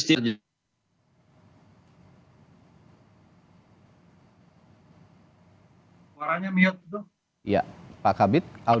tim liputan kompas tv